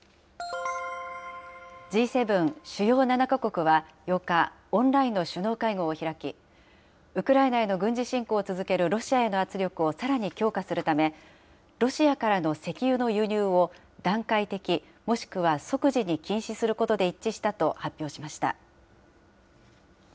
Ｇ７・主要７か国は８日、オンラインの首脳会合を開き、ウクライナへの軍事侵攻を続けるロシアへの圧力をさらに強化するため、ロシアからの石油の輸入を段階的、もしくは即時に禁止することで一致したと発表しました。